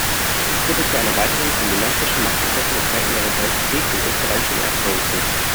Dies führte zu einem weiteren, von dynastischen Machtinteressen geprägten europäischen Krieg, den Österreichischen Erbfolgekrieg.